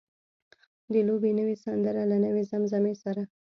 د لوبې نوې سندره له نوې زمزمې سره.